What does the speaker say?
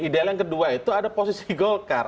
ideal yang kedua itu ada posisi golkar